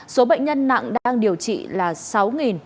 số bệnh nhân nặng đang điều trị là sáu một trăm bốn mươi sáu ca